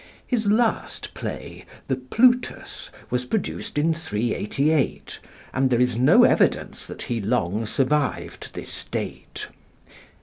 His last play, the 'Plutus,' was produced in 388, and there is no evidence that he long survived this date.